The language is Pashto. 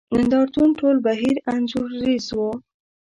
نند ارتون ټول بهیر انځوریز وو.